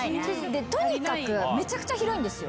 で、とにかくめちゃくちゃ広いんですよ。